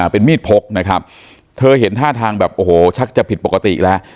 เป็นมีดพกนะครับเธอเห็นท่าทางแบบโอ้โหชักจะผิดปกติแล้ว